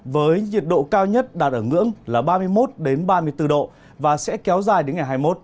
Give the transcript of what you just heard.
với nhiệt độ cao nhất đạt ở ngưỡng là ba mươi một ba mươi bốn độ và sẽ kéo dài đến ngày hai mươi một